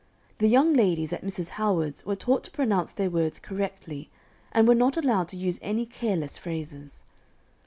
The young ladies at Mrs. Howard's were taught to pronounce their words correctly, and were not allowed to use any careless phrases.